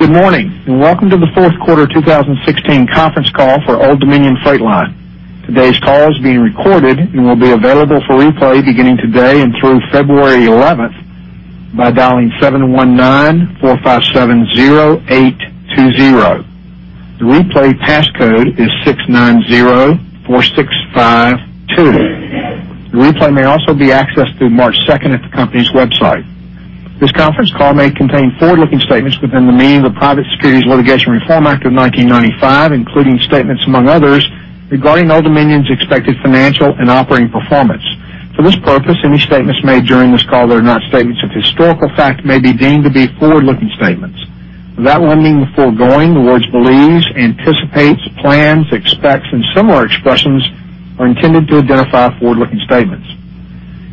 Good morning, and welcome to the fourth quarter 2016 conference call for Old Dominion Freight Line. Today's call is being recorded and will be available for replay beginning today and through February 11th by dialing 719-457-0820. The replay passcode is 6904652. The replay may also be accessed through March 2nd at the company's website. This conference call may contain forward-looking statements within the meaning of the Private Securities Litigation Reform Act of 1995, including statements, among others, regarding Old Dominion's expected financial and operating performance. For this purpose, any statements made during this call that are not statements of historical fact may be deemed to be forward-looking statements. Without limiting the foregoing, the words believes, anticipates, plans, expects, and similar expressions are intended to identify forward-looking statements.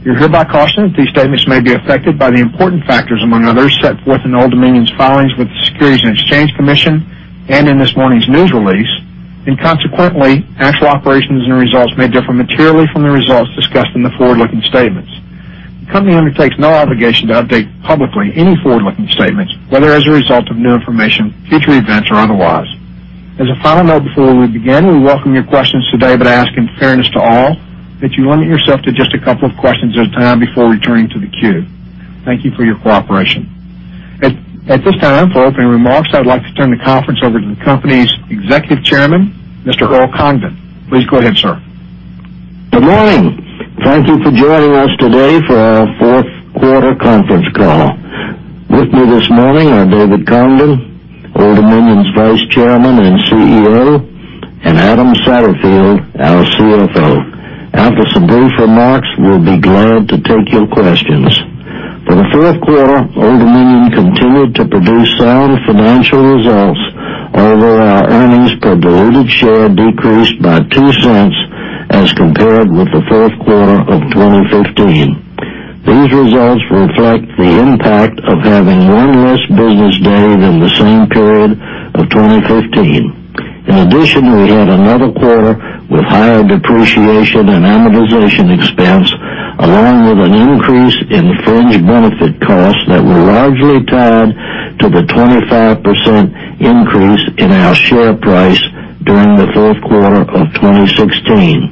You're hereby cautioned, these statements may be affected by the important factors, among others, set forth in Old Dominion's filings with the Securities and Exchange Commission and in this morning's news release. Consequently, actual operations and results may differ materially from the results discussed in the forward-looking statements. The company undertakes no obligation to update publicly any forward-looking statements, whether as a result of new information, future events, or otherwise. As a final note, before we begin, we welcome your questions today, but ask in fairness to all that you limit yourself to just a couple of questions at a time before returning to the queue. Thank you for your cooperation. At this time, for opening remarks, I'd like to turn the conference over to the company's Executive Chairman, Mr. Earl Congdon. Please go ahead, sir. Good morning. Thank you for joining us today for our fourth quarter conference call. With me this morning are David Congdon, Old Dominion's Vice Chairman and CEO, and Adam Satterfield, our CFO. After some brief remarks, we'll be glad to take your questions. For the fourth quarter, Old Dominion continued to produce sound financial results. Our earnings per diluted share decreased by $0.02 as compared with the fourth quarter of 2015. These results reflect the impact of having one less business day than the same period of 2015. In addition, we had another quarter with higher depreciation and amortization expense, along with an increase in fringe benefit costs that were largely tied to the 25% increase in our share price during the fourth quarter of 2016.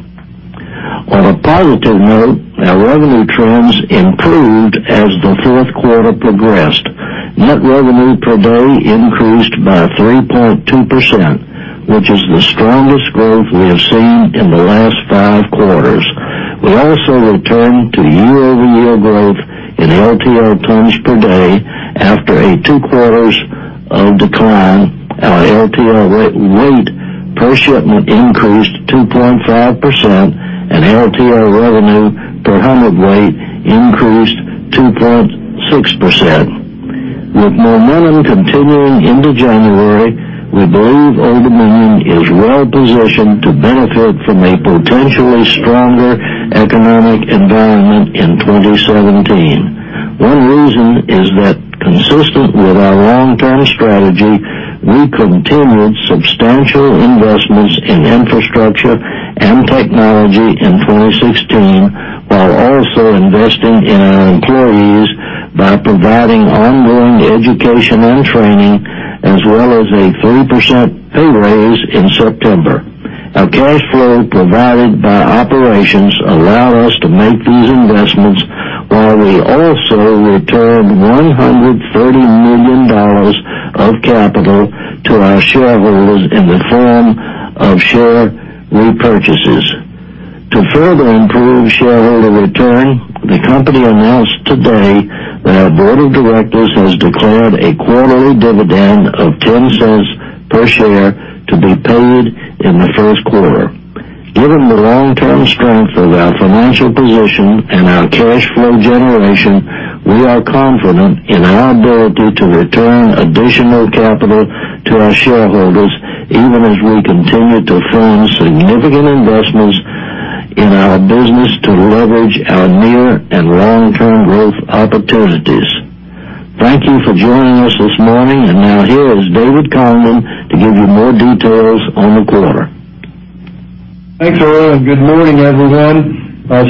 On a positive note, our revenue trends improved as the fourth quarter progressed. Net revenue per day increased by 3.2%, which is the strongest growth we have seen in the last five quarters. We also returned to year-over-year growth in LTL tons per day after a two quarters of decline. Our LTL rate, weight per shipment increased 2.5% and LTL revenue per hundredweight increased 2.6%. With momentum continuing into January, we believe Old Dominion is well-positioned to benefit from a potentially stronger economic environment in 2017. One reason is that consistent with our long-term strategy, we continued substantial investments in infrastructure and technology in 2016, while also investing in our employees by providing ongoing education and training as well as a 3% pay raise in September. Our cash flow provided by operations allowed us to make these investments, while we also returned $130 million of capital to our shareholders in the form of share repurchases. To further improve shareholder return, the company announced today that our board of directors has declared a quarterly dividend of $0.10 per share to be paid in the first quarter. Given the long-term strength of our financial position and our cash flow generation, we are confident in our ability to return additional capital to our shareholders, even as we continue to fund significant investments in our business to leverage our near and long-term growth opportunities. Thank you for joining us this morning, and now here is David Congdon to give you more details on the quarter. Thanks, Earl, and good morning, everyone.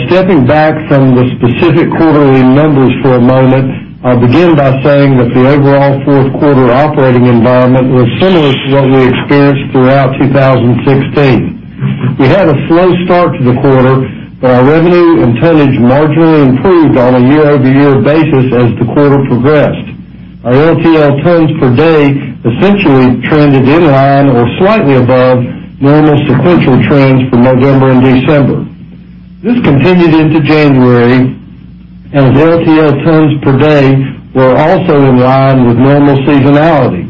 Stepping back from the specific quarterly numbers for a moment, I'll begin by saying that the overall fourth quarter operating environment was similar to what we experienced throughout 2016. We had a slow start to the quarter, but our revenue and tonnage marginally improved on a year-over-year basis as the quarter progressed. Our LTL tons per day essentially trended in line or slightly above normal sequential trends for November and December. This continued into January, LTL tons per day were also in line with normal seasonality.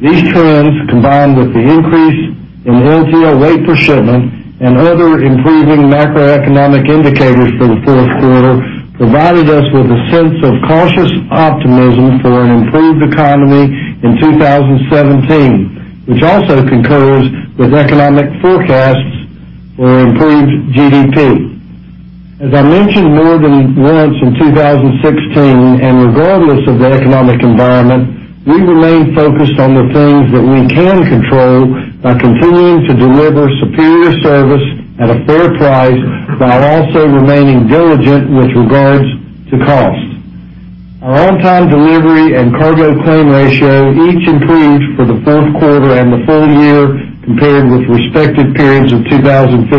These trends, combined with the increase in LTL weight per shipment and other improving macroeconomic indicators for the fourth quarter, provided us with a sense of cautious optimism for an improved economy in 2017, which also concurs with economic forecasts for improved GDP. As I mentioned more than once in 2016, and regardless of the economic environment, we remain focused on the things that we can control by continuing to deliver superior service at a fair price while also remaining diligent with regards to costs. Our on-time delivery and cargo claim ratio each improved for the fourth quarter and the full year compared with respective periods of 2015.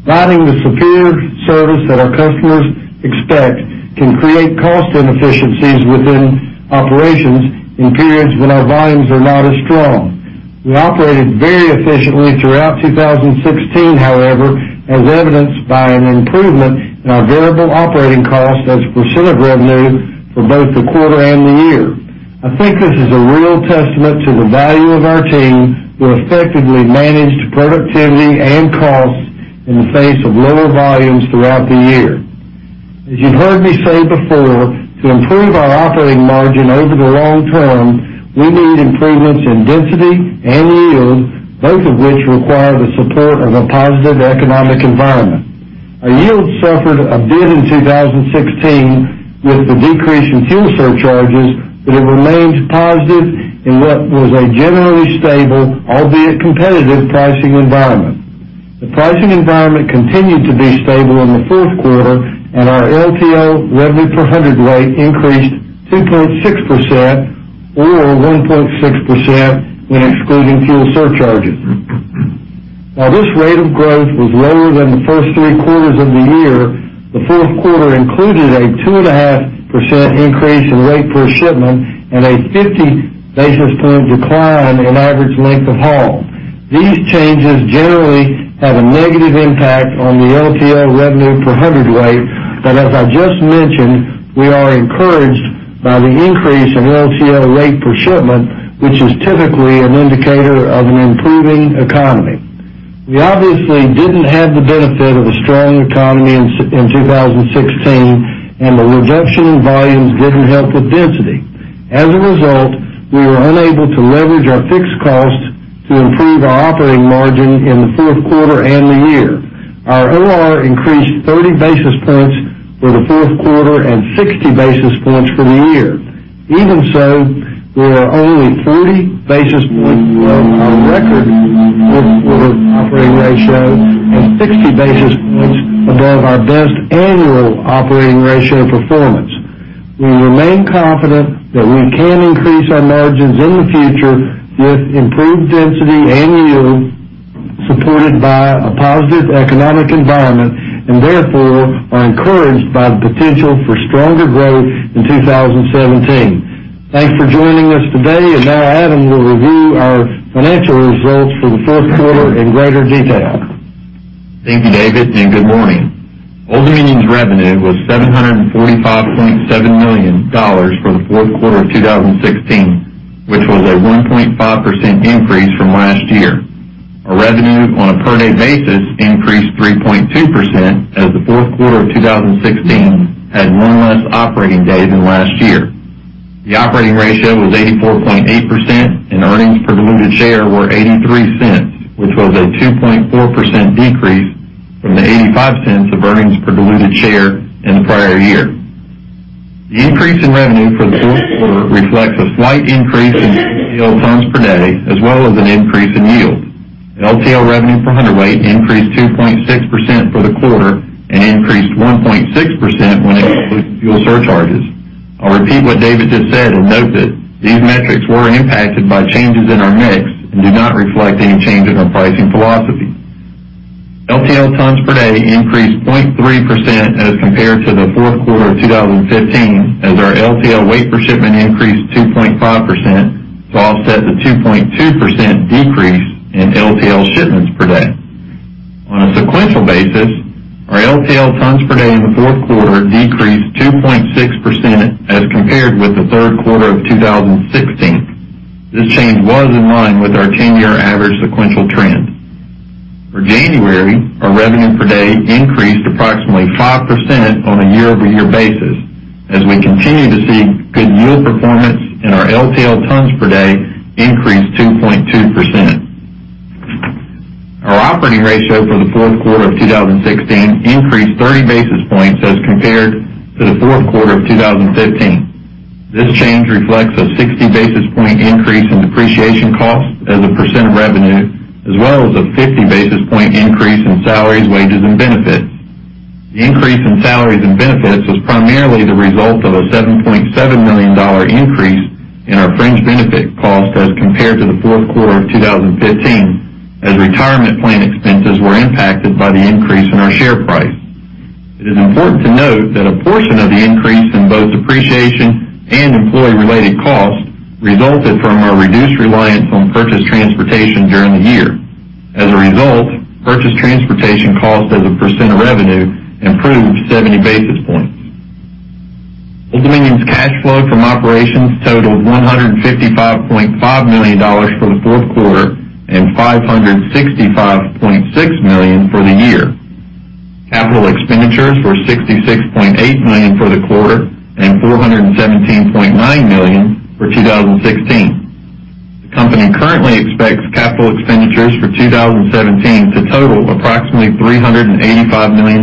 Providing the superior service that our customers expect can create cost inefficiencies within operations in periods when our volumes are not as strong. We operated very efficiently throughout 2016, however, as evidenced by an improvement in our variable operating costs as a percent of revenue for both the quarter and the year. I think this is a real testament to the value of our team, who effectively managed productivity and costs in the face of lower volumes throughout the year. As you've heard me say before, to improve our operating margin over the long term, we need improvements in density and yield, both of which require the support of a positive economic environment. Our yield suffered a bit in 2016 with the decrease in fuel surcharges, but it remains positive in what was a generally stable, albeit competitive pricing environment. The pricing environment continued to be stable in the first quarter and our LTL revenue per hundredweight increased 2.6% or 1.6% when excluding fuel surcharges. While this rate of growth was lower than the first three quarters of the year, the fourth quarter included a 2.5% increase in rate per shipment and a 50 basis point decline in average length of haul. These changes generally have a negative impact on the LTL revenue per hundredweight, but as I just mentioned, we are encouraged by the increase in LTL rate per shipment, which is typically an indicator of an improving economy. We obviously didn't have the benefit of a strong economy in 2016, and the reduction in volumes didn't help with density. As a result, we were unable to leverage our fixed costs to improve our operating margin in the fourth quarter and the year. Our OR increased 30 basis points for the fourth quarter and 60 basis points for the year. Even so, we are only 40 basis points from our record fourth quarter operating ratio and 60 basis points above our best annual operating ratio performance. We remain confident that we can increase our margins in the future with improved density and yield supported by a positive economic environment, and therefore are encouraged by the potential for stronger growth in 2017. Thanks for joining us today, and now Adam will review our financial results for the fourth quarter in greater detail. Thank you, David, and good morning. Old Dominion's revenue was $745.7 million for the fourth quarter of 2016, which was a 1.5% increase from last year. Our revenue on a per-day basis increased 3.2% as the fourth quarter of 2016 had one less operating day than last year. The operating ratio was 84.8% and earnings per diluted share were $0.83, which was a 2.4% decrease from the $0.85 of earnings per diluted share in the prior year. The increase in revenue for the fourth quarter reflects a slight increase in LTL tons per day as well as an increase in yield. LTL revenue per hundredweight increased 2.6% for the quarter and increased 1.6% when excluding fuel surcharges. I'll repeat what David just said and note that these metrics were impacted by changes in our mix and do not reflect any change in our pricing philosophy. LTL tons per day increased 0.3% as compared to the fourth quarter of 2015 as our LTL weight per shipment increased 2.5% to offset the 2.2% decrease in LTL shipments per day. On a sequential basis, our LTL tons per day in the fourth quarter decreased 2.6% as compared with the third quarter of 2016. This change was in line with our 10-year average sequential trend. For January, our revenue per day increased approximately 5% on a year-over-year basis as we continue to see good yield performance and our LTL tons per day increased 2.2%. Our operating ratio for the fourth quarter of 2016 increased 30 basis points as compared to the fourth quarter of 2015. This change reflects a 60 basis point increase in depreciation costs as a percent of revenue, as well as a 50 basis point increase in salaries, wages, and benefits. The increase in salaries and benefits was primarily the result of a $7.7 million increase in our fringe benefit costs as compared to the fourth quarter of 2015 as retirement plan expenses were impacted by the increase in our share price. It is important to note that a portion of the increase in both depreciation and employee-related costs resulted from our reduced reliance on purchased transportation during the year. As a result, purchased transportation costs as a percent of revenue improved 70 basis points. Old Dominion's cash flow from operations totaled $155.5 million for the fourth quarter and $565.6 million for the year. Capital expenditures were $66.8 million for the quarter and $417.9 million for 2016. The company currently expects capital expenditures for 2017 to total approximately $385 million,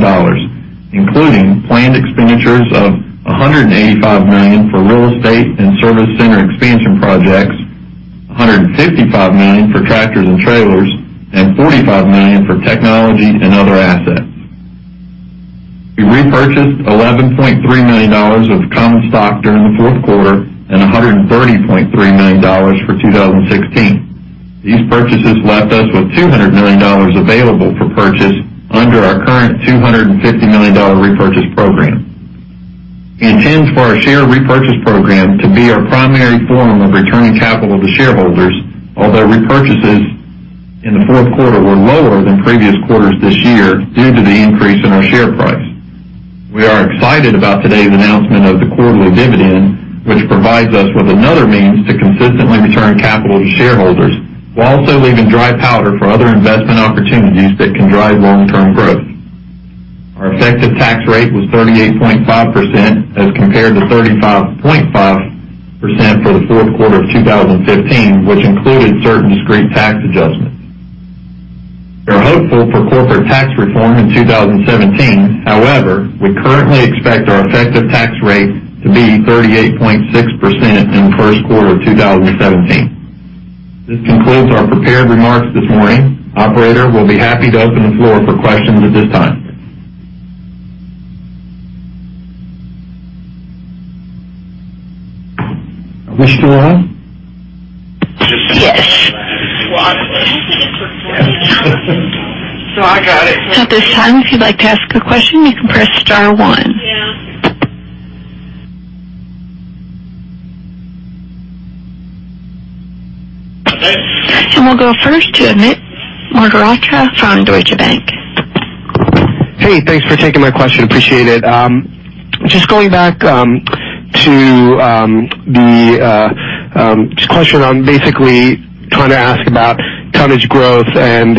including planned expenditures of $185 million for real estate and service center expansion projects, $155 million for tractors and trailers and $45 million for technology and other assets. We repurchased $11.3 million of common stock during the fourth quarter and $130.3 million for 2016. These purchases left us with $200 million available for purchase under our current $250 million repurchase program. We intend for our share repurchase program to be our primary form of returning capital to shareholders. Although repurchases in the fourth quarter were lower than previous quarters this year due to the increase in our share price. We are excited about today's announcement of the quarterly dividend, which provides us with another means to consistently return capital to shareholders while also leaving dry powder for other investment opportunities that can drive long-term growth. Our effective tax rate was 38.5% as compared to 35.5% for the fourth quarter of 2015, which included certain discrete tax adjustments. We are hopeful for corporate tax reform in 2017. However, we currently expect our effective tax rate to be 38.6% in the first quarter of 2017. This concludes our prepared remarks this morning. Operator, we'll be happy to open the floor for questions at this time. Are we still on? Yes. At this time, if you'd like to ask a question, you can press star one. Okay. We'll go first to Amit Mehrotra from Deutsche Bank. Hey, thanks for taking my question. Appreciate it. just going back, to, the, just a question on basically trying to ask about tonnage growth and,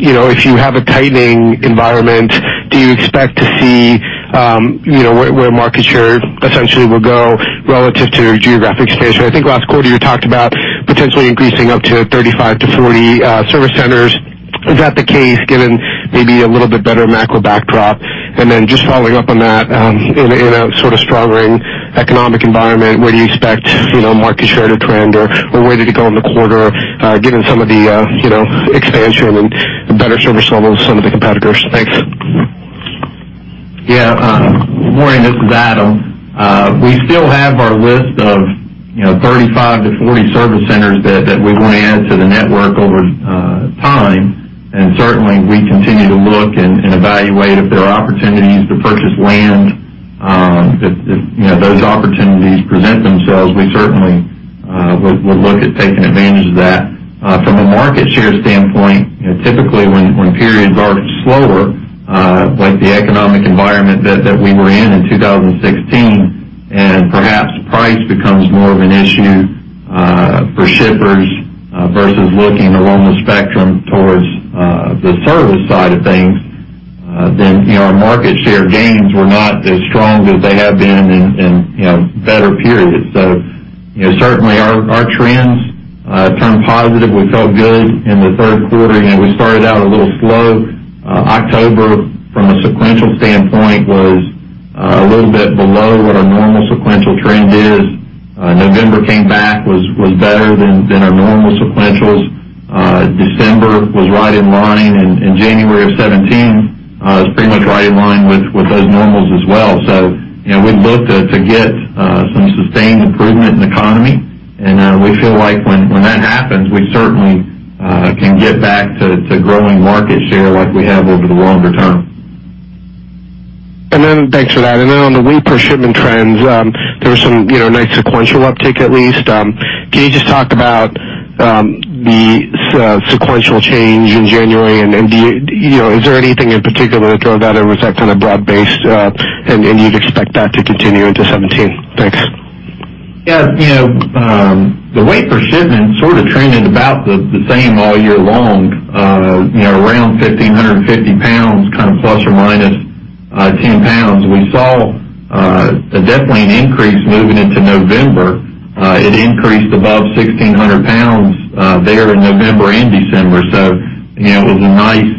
you know, if you have a tightening environment, do you expect to see, you know, where market share essentially will go relative to geographic expansion? I think last quarter you talked about potentially increasing up to 35 to 40 service centers. Is that the case, given maybe a little bit better macro backdrop? Then just following up on that, in a sort of stronger economic environment, where do you expect, you know, market share to trend, or where did it go in the quarter, given some of the, you know, expansion and better service levels of some of the competitors? Thanks. Yeah. Morning, this is Adam. We still have our list of, you know, 35-40 service centers that we want to add to the network over time. Certainly, we continue to look and evaluate if there are opportunities to purchase land. If, you know, those opportunities present themselves, we certainly would look at taking advantage of that. From a market share standpoint, you know, typically when periods are slower, like the economic environment that we were in in 2016, and perhaps price becomes more of an issue for shippers versus looking along the spectrum towards the service side of things, then, you know, our market share gains were not as strong as they have been in, you know, better periods. You know, certainly our trends turned positive. We felt good in the third quarter. You know, we started out a little slow. October, from a sequential standpoint, was a little bit below what our normal sequential trend is. November came back, was better than our normal sequentials. December was right in line, and January of 17 was pretty much right in line with those normals as well. You know, we look to get some sustained improvement in economy, and we feel like when that happens, we certainly can get back to growing market share like we have over the longer term. Thanks for that. On the weight per shipment trends, there was some, you know, nice sequential uptick, at least. Can you just talk about the sequential change in January and do you know, is there anything in particular to throw that, or was that kind of broad based, and you'd expect that to continue into 2017? Thanks. Yeah. You know, the weight per shipment sort of trended about the same all year long, you know, around 1,550 pounds, kind of ± 10 pounds. We saw definitely an increase moving into November. It increased above 1,600 pounds there in November and December. You know, it was a nice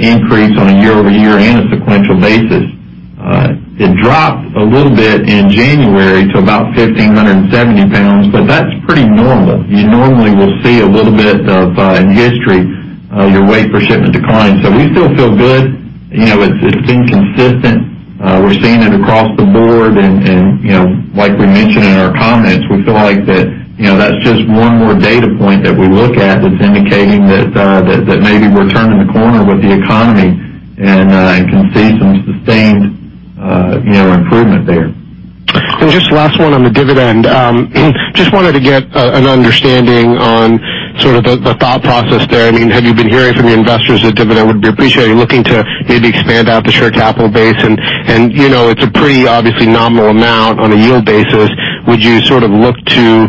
increase on a year-over-year and a sequential basis. It dropped a little bit in January to about 1,570 pounds, that's pretty normal. You normally will see a little bit of in history, your weight per shipment decline. We still feel good. You know, it's been consistent. We're seeing it across the board and, you know, like we mentioned in our comments, we feel like that, you know, that's just one more data point that we look at that's indicating that maybe we're turning the corner with the economy and, can see some sustained, you know, improvement there. Just last one on the dividend. Just wanted to get an understanding on sort of the thought process there. I mean, have you been hearing from your investors that dividend would be appreciated, looking to maybe expand out the share capital base? You know, it's a pretty obviously nominal amount on a yield basis. Would you sort of look to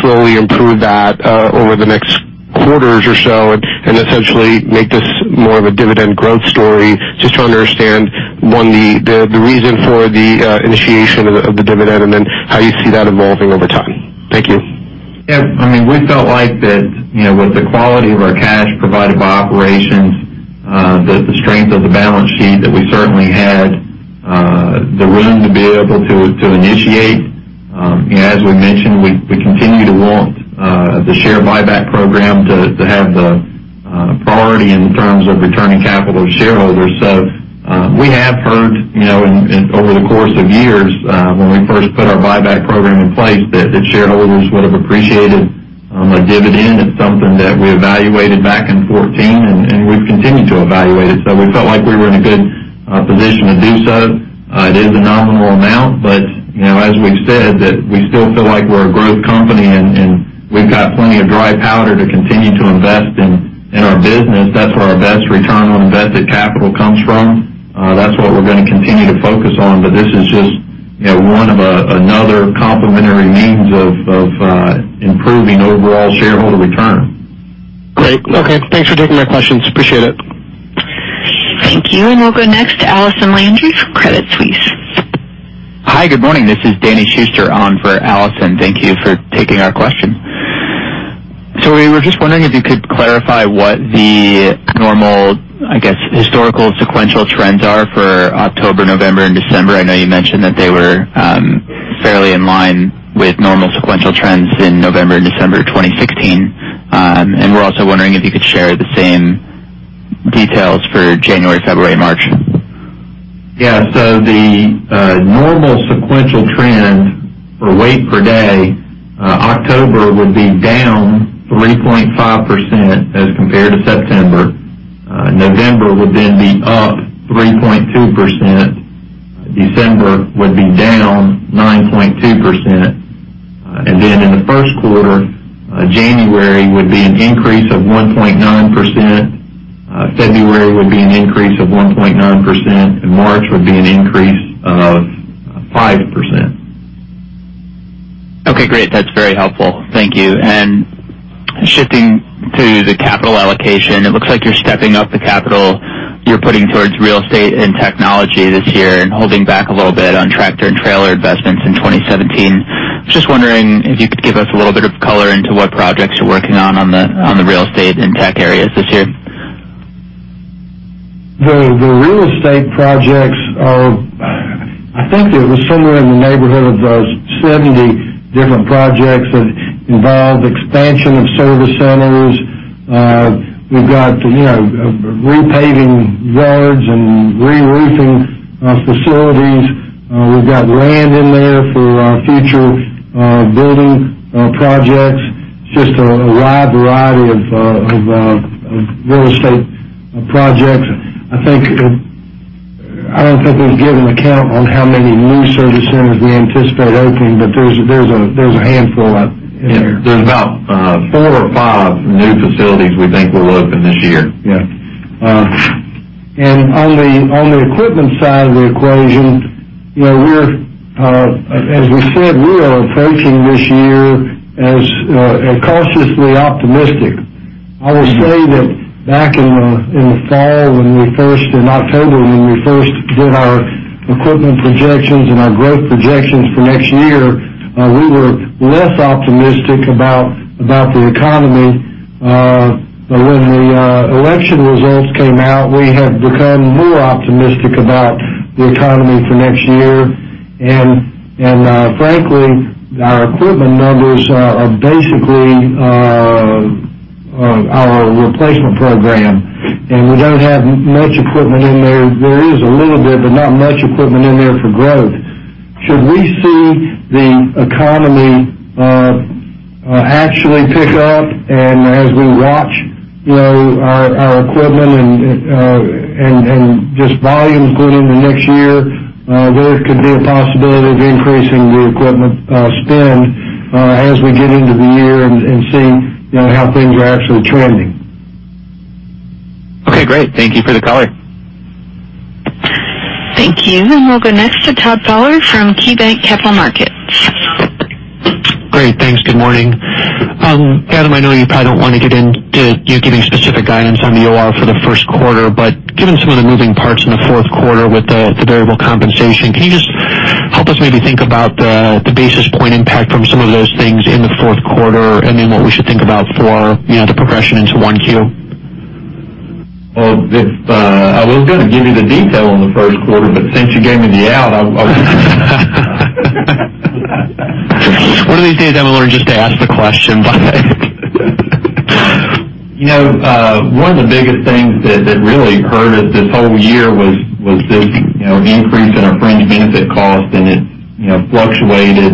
slowly improve that over the next quarters or so and essentially make this more of a dividend growth story? Just to understand, one, the reason for the initiation of the dividend and then how you see that evolving over time. Thank you. Yeah. I mean, we felt like that, you know, with the quality of our cash provided by operations, the strength of the balance sheet that we certainly had the room to be able to initiate. As we mentioned, we continue to want the share buyback program to have the priority in terms of returning capital to shareholders. We have heard, you know, in over the course of years, when we first put our buyback program in place that shareholders would have appreciated a dividend. It's something that we evaluated back in 14 and we've continued to evaluate it. We felt like we were in a good position to do so. It is a nominal amount, but you know, as we've said that we still feel like we're a growth company and we've got plenty of dry powder to continue to invest in our business. That's where our best return on invested capital comes from. That's what we're gonna continue to focus on. This is just, you know, one of another complementary means of improving overall shareholder return. Great. Okay. Thanks for taking my questions. Appreciate it. Thank you. We'll go next to Allison Landry from Credit Suisse. Hi. Good morning. This is Daniel Schuster on for Allison. Thank you for taking our question. We were just wondering if you could clarify what the normal, I guess, historical sequential trends are for October, November and December. I know you mentioned that they were fairly in line with normal sequential trends in November and December 2016. We're also wondering if you could share the same details for January, February, March. The normal sequential trend for weight per day, October would be down 3.5% as compared to September. November would be up 3.2%. December would be down 9.2%. In the first quarter, January would be an increase of 1.9%. February would be an increase of 1.9%, and March would be an increase of 5%. Okay, great. That's very helpful. Thank you. Shifting to the capital allocation, it looks like you're stepping up the capital you're putting towards real estate and technology this year and holding back a little bit on tractor and trailer investments in 2017. Just wondering if you could give us a little bit of color into what projects you're working on the real estate and tech areas this year. The real estate projects are, I think it was somewhere in the neighborhood of 70 different projects that involve expansion of service centers. We've got, you know, repaving roads and reroofing facilities. We've got land in there for future building projects. Just a wide variety of real estate projects. I think, I don't think we've given a count on how many new service centers we anticipate opening, but there's a handful out in there. There's about four or five new facilities we think will open this year. Yeah. And on the equipment side of the equation, you know, we're as we said, we are approaching this year as cautiously optimistic. I would say that back in the fall, in October, when we first did our equipment projections and our growth projections for next year, we were less optimistic about the economy. When the election results came out, we have become more optimistic about the economy for next year. Frankly, our equipment numbers are basically our replacement program, and we don't have much equipment in there. There is a little bit, but not much equipment in there for growth. Should we see the economy actually pick up and as we watch, you know, our equipment and just volumes going into next year, there could be a possibility of increasing the equipment spend as we get into the year and seeing, you know, how things are actually trending. Okay, great. Thank you for the color. Thank you. We'll go next to Todd Fowler from KeyBanc Capital Markets. Great, thanks. Good morning. Adam, I know you probably don't want to get into you giving specific guidance on the OR for the first quarter, but given some of the moving parts in the fourth quarter with the variable compensation, can you just help us maybe think about the basis point impact from some of those things in the fourth quarter and then what we should think about for, you know, the progression into 1Q? Well, it's I was gonna give you the detail on the first quarter, but since you gave me the out. One of these days I'm gonna learn just to ask the question. You know, one of the biggest things that really hurt us this whole year was this, you know, increase in our fringe benefit cost, and it, you know, fluctuated.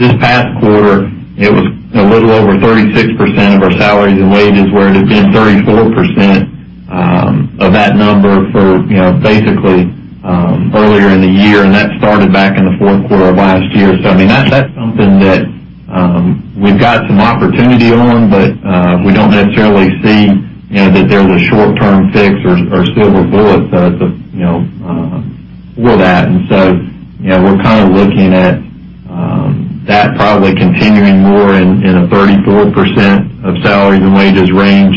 This past quarter, it was a little over 36% of our salaries and wages, where it had been 34% of that number for, you know, basically, earlier in the year. That started back in the fourth quarter of last year. I mean, that's something that we've got some opportunity on, but we don't necessarily see, you know, that there's a short-term fix or silver bullet. It's a, you know, with that. We're kind of looking at that probably continuing more in a 34% of salaries and wages range.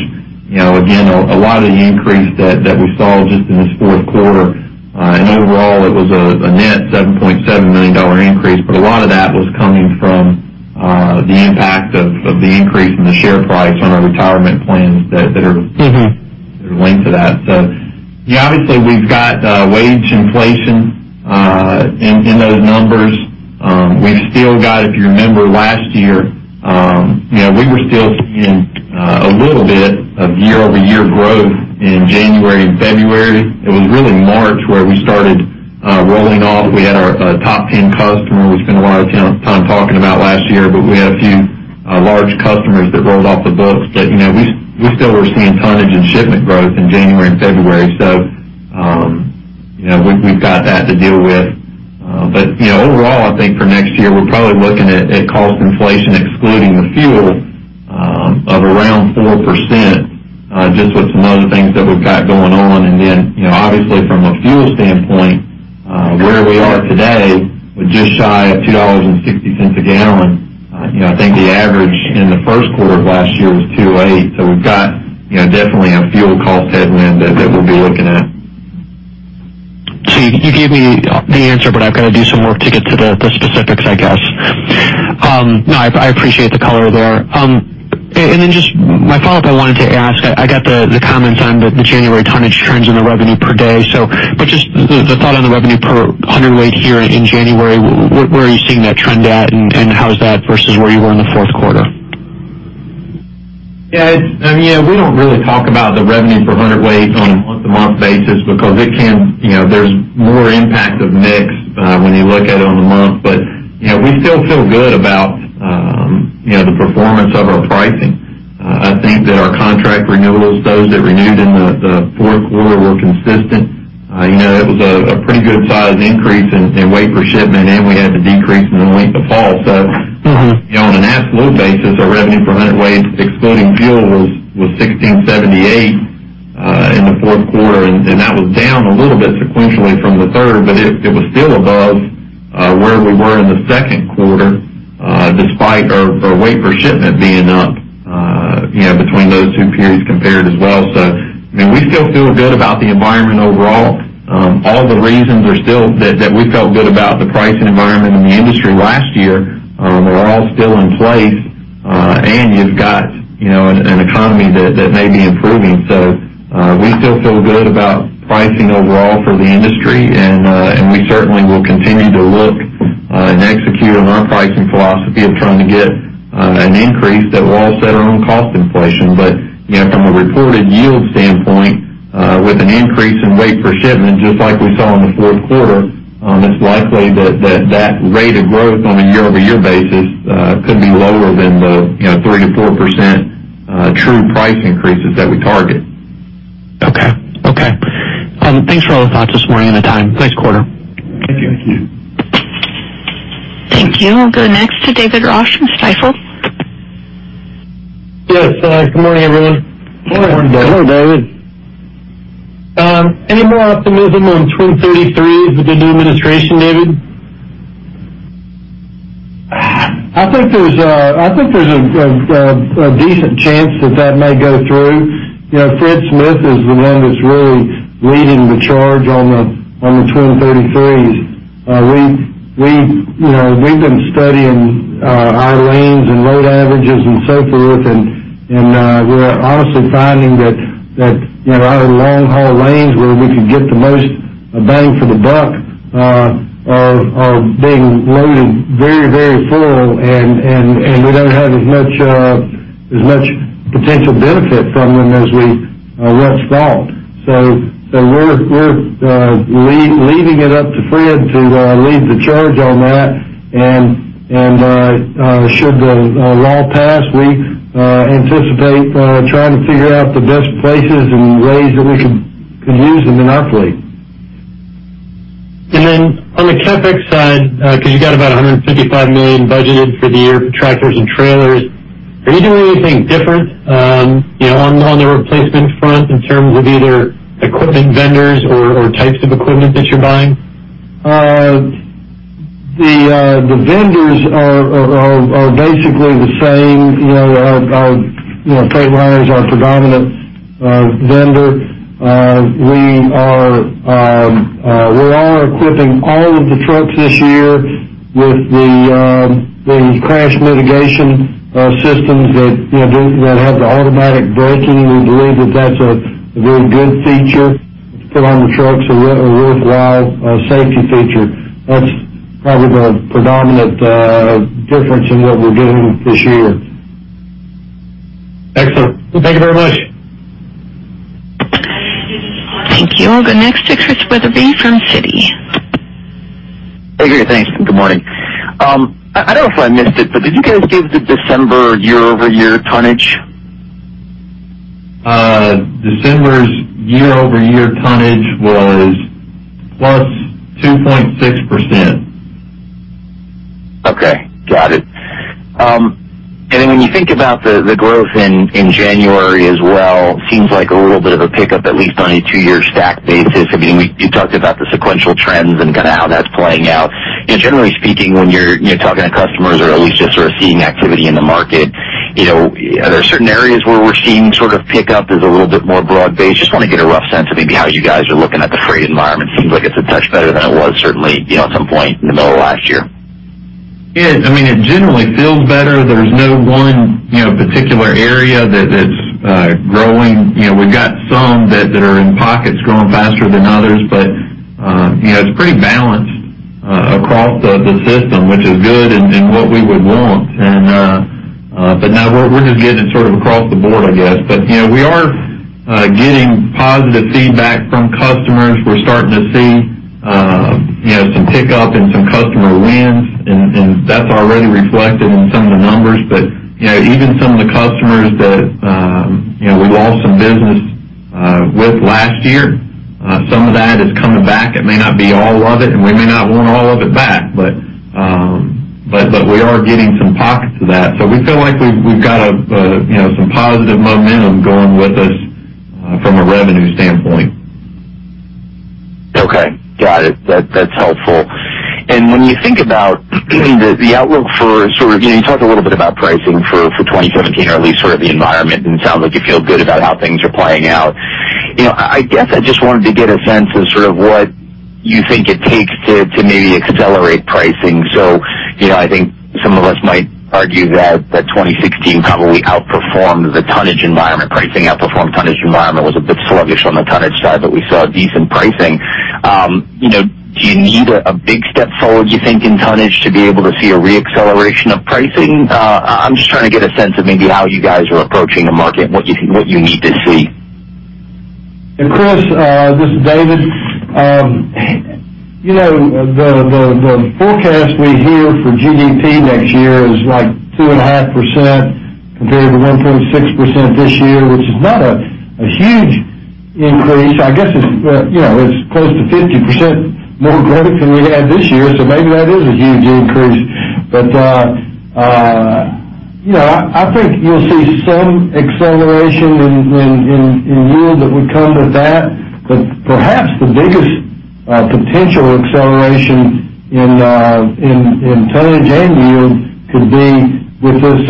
You know, again, a lot of the increase that we saw just in this fourth quarter, and overall, it was a net $7.7 million increase, but a lot of that was coming from the impact of the increase in the share price on our retirement plans. There's a link to that. Yeah, obviously, we've got wage inflation in those numbers. We've still got, if you remember last year, you know, we were still seeing a little bit of year-over-year growth in January and February. It was really March where we started rolling off. We had our top 10 customer we spent a lot of time talking about last year, but we had a few large customers that rolled off the books. You know, we still were seeing tonnage and shipment growth in January and February. You know, we've got that to deal with. You know, overall, I think for next year, we're probably looking at cost inflation, excluding the fuel, of around 4%, just with some other things that we've got going on. Then, you know, obviously from a fuel standpoint, where we are today with just shy of $2.60 a gallon. you know, I think the average in the first quarter of last year was $2.08. We've got, you know, definitely a fuel cost headwind that we'll be looking at. You gave me the answer, but I've got to do some work to get to the specifics, I guess. no, I appreciate the color there. then just my follow-up, I wanted to ask, I got the comments on the January tonnage trends and the revenue per day, but just the thought on the revenue per hundredweight here in January, where are you seeing that trend at, and how is that versus where you were in the fourth quarter? We don't really talk about the revenue per hundredweight on a month-to-month basis because it can, there's more impact of mix when you look at it on the month. We still feel good about the performance of our pricing. I think that our contract renewals, those that renewed in the fourth quarter were consistent. It was a pretty good sized increase in weight per shipment, and we had the decrease in the weight of hauls. You know, on an absolute basis, our revenue per hundredweight, excluding fuel, was $16.78 in the fourth quarter, and that was down a little bit sequentially from the third, but it was still above where we were in the second quarter, despite our weight per shipment being up, you know, between those two periods compared as well. I mean, we still feel good about the environment overall. All the reasons are still that we felt good about the pricing environment in the industry last year, are all still in place. You've got, you know, an economy that may be improving. We still feel good about pricing overall for the industry and we certainly will continue to look and execute on our pricing philosophy of trying to get an increase that will offset our own cost inflation. You know, from a reported yield standpoint, with an increase in weight per shipment, just like we saw in the fourth quarter, it's likely that rate of growth on a year-over-year basis could be lower than the, you know, 3%-4% true price increases that we target. Okay. Thanks for all the thoughts this morning and the time. Nice quarter. Thank you. Thank you. We'll go next to David Ross from Stifel. Yes. Good morning, everyone. Good morning, David. Hello, David. Any more optimism on Twin 33s with the new administration, David? I think there's a decent chance that that may go through. You know, Fred Smith is the one that's really leading the charge on the Twin 33s. We've, you know, we've been studying our lanes and load averages and so forth, and we're honestly finding that, you know, our long-haul lanes where we could get the most bang for the buck, are being loaded very, very full, and we don't have as much potential benefit from them as we once thought. We're leaving it up to Fred to lead the charge on that. Should the law pass, we anticipate trying to figure out the best places and ways that we can use them in our fleet. On the CapEx side, because you got about $155 million budgeted for the year for tractors and trailers, are you doing anything different, you know, on the replacement front in terms of either equipment vendors or types of equipment that you're buying? The vendors are basically the same. You know, our, you know, Freightliner are predominant vendor. We are equipping all of the trucks this year with the collision mitigation systems that, you know, that have the automatic braking. We believe that that's a very good feature to put on the trucks, a worthwhile safety feature. That's probably the predominant difference in what we're doing this year. Excellent. Thank you very much. Thank you. I'll go next to Christian Wetherbee from Citi. Hey, great. Thanks. Good morning. I don't know if I missed it, but did you guys give the December year-over-year tonnage? December's year-over-year tonnage was +2.6%. Okay, got it. When you think about the growth in January as well, seems like a little bit of a pickup, at least on a two-year stack basis. I mean, you talked about the sequential trends and kinda how that's playing out. You know, generally speaking, when you're talking to customers or at least just sort of seeing activity in the market, you know, are there certain areas where we're seeing sort of pickup is a little bit more broad-based? Just wanna get a rough sense of maybe how you guys are looking at the freight environment. Seems like it's a touch better than it was certainly, you know, at some point in the middle of last year. Yeah, I mean, it generally feels better. There's no one, you know, particular area that is growing. You know, we've got some that are in pockets growing faster than others. You know, it's pretty balanced across the system, which is good and what we would want. No, we're just getting it sort of across the board, I guess. You know, we are getting positive feedback from customers. We're starting to see, you know, some pickup and some customer wins, and that's already reflected in some of the numbers. You know, even some of the customers that, you know, we lost some business with last year, some of that is coming back. It may not be all of it. We may not want all of it back, but we are getting some pockets of that. We feel like we've got a, you know, some positive momentum going with us from a revenue standpoint. Okay. Got it. That's helpful. When you think about the outlook for sort of, you know, you talked a little bit about pricing for 2017, or at least sort of the environment, and it sounds like you feel good about how things are playing out. You know, I guess I just wanted to get a sense of sort of what you think it takes to maybe accelerate pricing. You know, I think some of us might argue that 2016 probably outperformed the tonnage environment. Pricing outperformed tonnage environment was a bit sluggish on the tonnage side, but we saw decent pricing. You know, do you need a big step forward, do you think, in tonnage to be able to see a re-acceleration of pricing? I'm just trying to get a sense of maybe how you guys are approaching the market and what you need to see. Chris, this is David. You know, the forecast we hear for GDP next year is like 2.5% compared to 1.6% this year, which is not a huge increase. I guess it's, you know, it's close to 50% more growth than we had this year, so maybe that is a huge increase. You know, I think you'll see some acceleration in yield that would come with that. Perhaps the biggest potential acceleration in tonnage and yield could be with this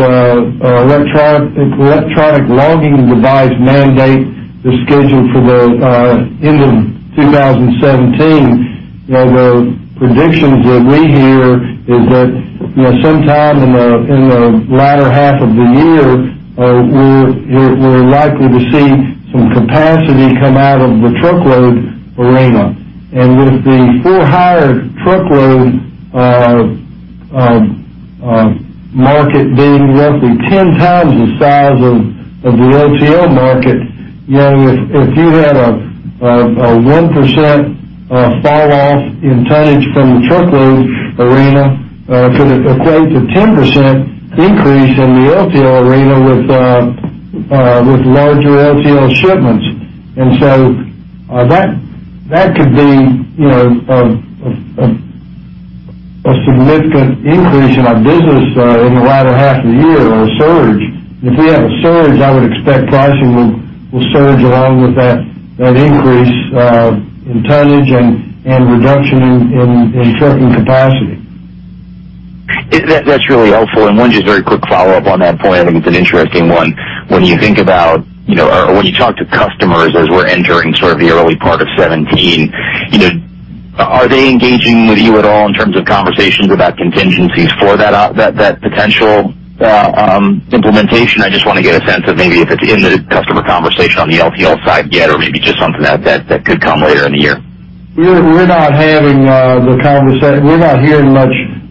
electronic logging device mandate that's scheduled for the end of 2017. You know, the predictions that we hear is that, you know, sometime in the latter half of the year, we're likely to see some capacity come out of the truckload arena. With the for-hire truckload market being roughly 10x the size of the LTL market, you know, if you had a 1% fall off in tonnage from the truckload arena, it could equate to 10% increase in the LTL arena with larger LTL shipments. That could be, you know, a significant increase in our business in the latter half of the year or a surge. If we have a surge, I would expect pricing will surge along with that increase, in tonnage and reduction in trucking capacity. That's really helpful. One just very quick follow-up on that point. I think it's an interesting one. When you think about, you know, or when you talk to customers as we're entering sort of the early part of 2017, you know, are they engaging with you at all in terms of conversations about contingencies for that potential implementation? I just wanna get a sense of maybe if it's in the customer conversation on the LTL side yet, or maybe just something that could come later in the year. We're not hearing much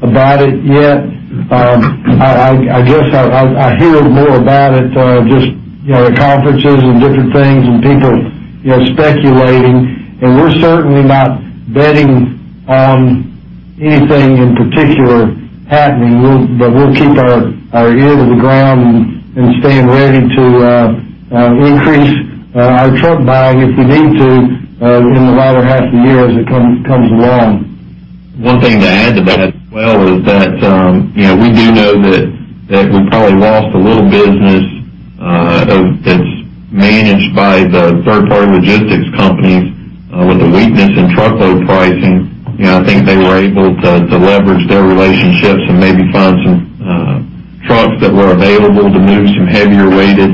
about it yet. I guess I hear more about it, just, you know, at conferences and different things and people, you know, speculating. We're certainly not betting on anything in particular happening. We'll keep our ear to the ground and stand ready to increase our truck buying if we need to in the latter half of the year as it comes along. One thing to add to that as well is that, you know, we do know that we probably lost a little business that's managed by the third-party logistics companies with the weakness in truckload pricing. You know, I think they were able to leverage their relationships and maybe find some trucks that were available to move some heavier weighted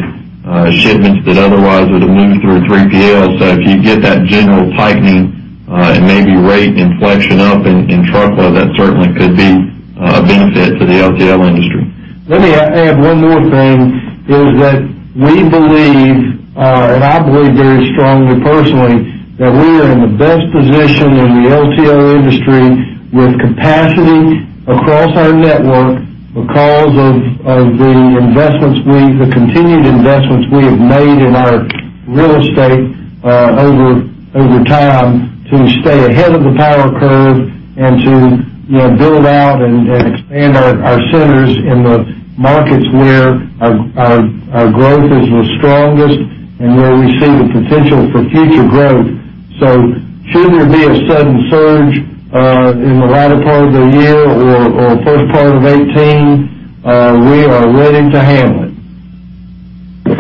shipments that otherwise would have moved through a 3PL. If you get that general tightening and maybe rate inflection up in truckload, that certainly could be a benefit to the LTL industry. Let me add one more thing, is that we believe, and I believe very strongly personally, that we are in the best position in the LTL industry with capacity across our network because of the continued investments we have made in our real estate over time to stay ahead of the power curve and to, you know, build out and expand our centers in the markets where our growth is the strongest and where we see the potential for future growth. Should there be a sudden surge in the latter part of the year or first part of 2018, we are ready to handle it.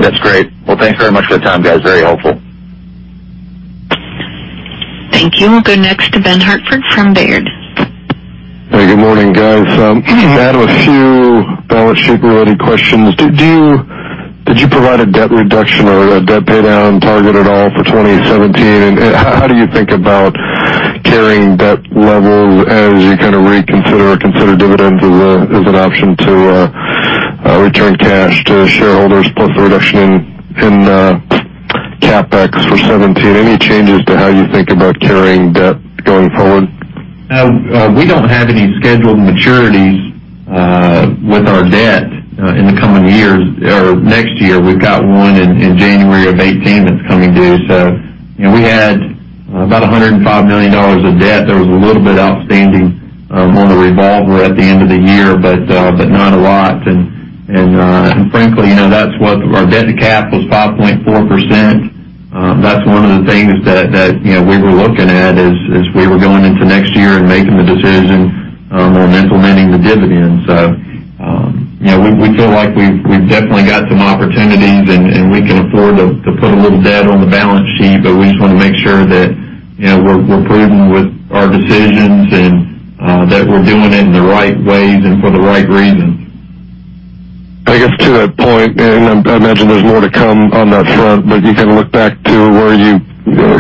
That's great. Well, thanks very much for the time, guys. Very helpful. Thank you. We'll go next to Benjamin Hartford from Baird. Hey, good morning, guys. Adam, a few balance sheet related questions. Did you provide a debt reduction or a debt pay down target at all for 2017? How do you think about carrying debt levels as you kinda reconsider or consider dividends as an option to return cash to shareholders, plus the reduction in CapEx for 2017? Any changes to how you think about carrying debt going forward? We don't have any scheduled maturities with our debt in the coming years or next year. We've got one in January of 2018 that's coming due. You know, we had about $105 million of debt. There was a little bit outstanding on the revolver at the end of the year, but not a lot. Frankly, you know, our debt to cap was 5.4%. That's one of the things that, you know, we were looking at as we were going into next year and making the decision on implementing the dividend. You know, we feel like we've definitely got some opportunities and, we can afford to put a little debt on the balance sheet, but we just wanna make sure that, you know, we're prudent with our decisions and that we're doing it in the right ways and for the right reasons. I guess to that point, and I imagine there's more to come on that front, but you can look back to where you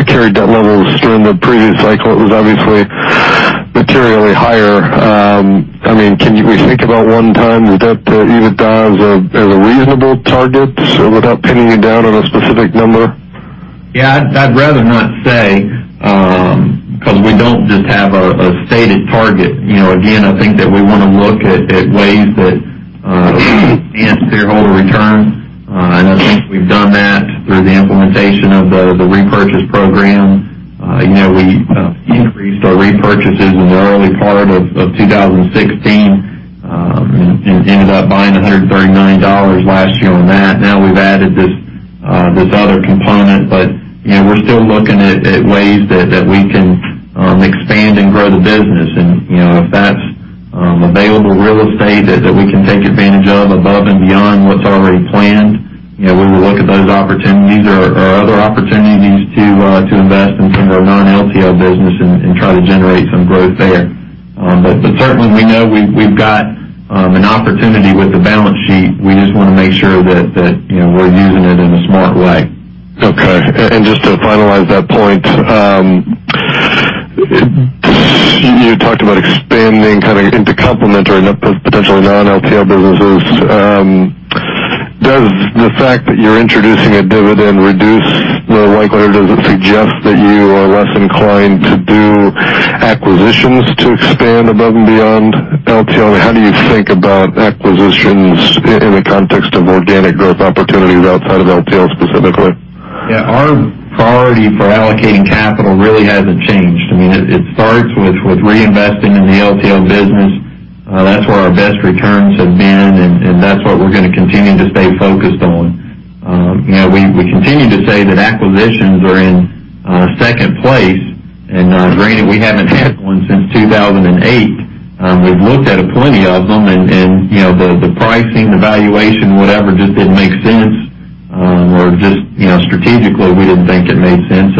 carried debt levels during the previous cycle. It was obviously materially higher. I mean, we think about one time the debt to EBITDA as a, as a reasonable target. Without pinning you down on a specific number. Yeah, I'd rather not say 'cause we don't just have a stated target. You know, again, I think that we wanna look at ways that enhance shareholder returns. I think we've done that through the implementation of the repurchase program. You know, we increased our repurchases in the early part of 2016 and ended up buying $139 last year on that. Now we've added this other component, you know, we're still looking at ways that we can expand and grow the business. You know, if that's available real estate that we can take advantage of above and beyond what's already planned, you know, we will look at those opportunities or other opportunities to invest in some of our non-LTL business and try to generate some growth there. Certainly we know we've got an opportunity with the balance sheet. We just wanna make sure that, you know, we're using it in a smart way. Okay. Just to finalize that point, you talked about expanding kind of into complementary and potentially non-LTL businesses. Does the fact that you're introducing a dividend reduce the likelihood or does it suggest that you are less inclined to do acquisitions to expand above and beyond LTL? How do you think about acquisitions in the context of organic growth opportunities outside of LTL specifically? Yeah. Our priority for allocating capital really hasn't changed. I mean, it starts with reinvesting in the LTL business. That's where our best returns have been, and that's what we're gonna continue to stay focused on. You know, we continue to say that acquisitions are in second place. Granted, we haven't had one since 2008. We've looked at plenty of them and, you know, the pricing, the valuation, whatever, just didn't make sense, or just, you know, strategically, we didn't think it made sense.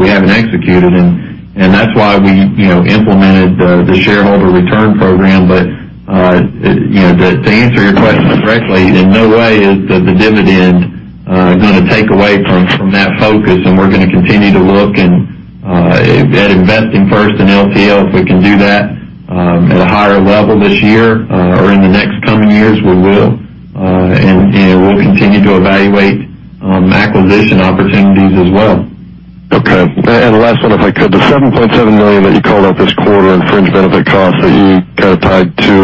We haven't executed. And that's why we, you know, implemented the Shareholder Return Program. You know, to answer your question directly, in no way is the dividend gonna take away from that focus, and we're gonna continue to look at investing first in LTL. If we can do that at a higher level this year or in the next coming years, we will. You know, we'll continue to evaluate acquisition opportunities as well. Okay. Last one, if I could. The $7.7 million that you called out this quarter in fringe benefit costs that you kinda tied to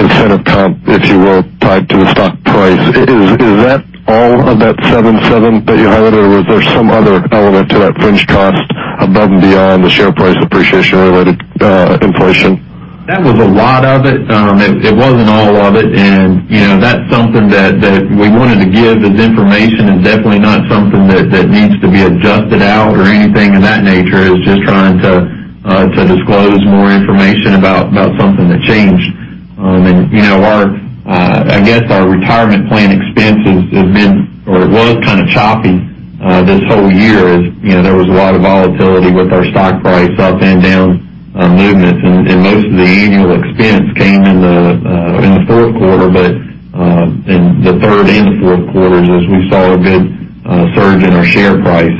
incentive comp, if you will, tied to the stock price. Is that all of that $7.7 that you highlighted or was there some other element to that fringe cost above and beyond the share price appreciation related inflation? That was a lot of it. It wasn't all of it. You know, that's something that we wanted to give as information, and definitely not something that needs to be adjusted out or anything of that nature. It was just trying to disclose more information about something that changed. You know, I guess our retirement plan expenses have been or was kind of choppy this whole year. You know, there was a lot of volatility with our stock price up and down movements. Most of the annual expense came in the fourth quarter, but in the third and the fourth quarters as we saw a big surge in our share price.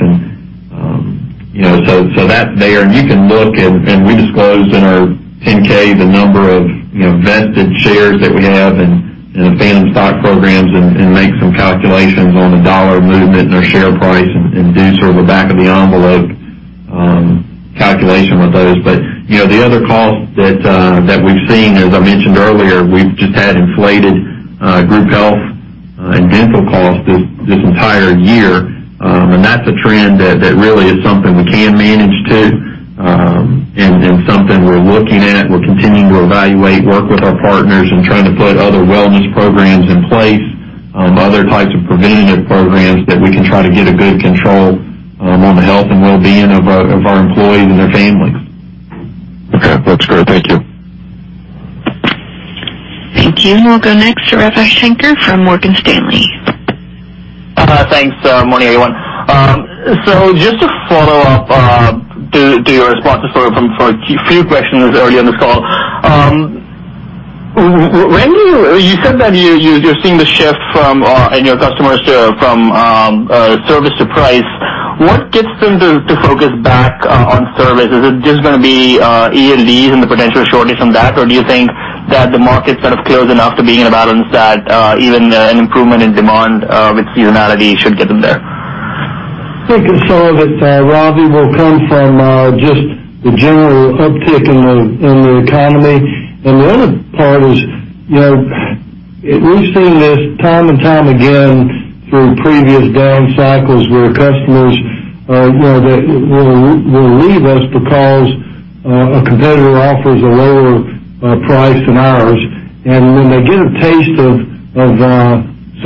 You can look and we disclosed in our 10-K the number of, you know, vested shares that we have in the phantom stock programs and make some calculations on the dollar movement in our share price and do sort of a back of the envelope calculation with those. You know, the other cost that we've seen, as I mentioned earlier, we've just had inflated group health and dental costs this entire year. That's a trend that really is something we can manage too, and something we're looking at. We're continuing to evaluate work with our partners and trying to put other wellness programs in place, other types of preventative programs that we can try to get a good control, on the health and well-being of our employees and their families. Okay. That's great. Thank you. Thank you. We'll go next to Ravi Shanker from Morgan Stanley. Morning, everyone. Just to follow up to your responses for a few questions earlier in this call. When you said that you're seeing the shift from in your customers to from service to price. What gets them to focus back on service? Is it just gonna be ELDs and the potential shortage on that? Or do you think that the market sort of close enough to being in a balance that even an improvement in demand with seasonality should get them there? I think some of it, Ravi, will come from just the general uptick in the economy. The other part is, you know, we've seen this time and time again through previous down cycles where customers, you know, they will leave us because a competitor offers a lower price than ours. When they get a taste of